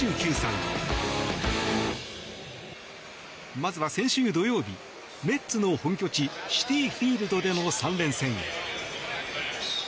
まずは先週土曜日メッツの本拠地シティ・フィールドでの３連戦。